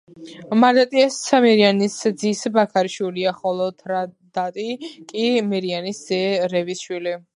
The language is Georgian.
მირდატი ეს მირიანის ძის ბაქარის შვილია ხოლო თრდატი კი მირიანის ძე რევის შვილი.